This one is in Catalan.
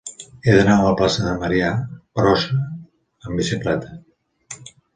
He d'anar a la plaça de Marià Brossa amb bicicleta.